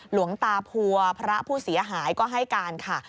หลวงตาพัวพระผู้เสียหายก็ให้การค่ะ